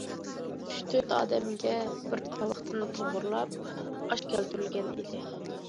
ئۈچ- تۆت ئادەمگە بىر تاۋاقتىن توغرىلاپ ئاش كەلتۈرۈلگەن ئىدى.